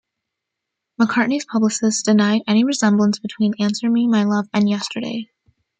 McCartney's publicists denied any resemblance between "Answer Me, My Love" and "Yesterday".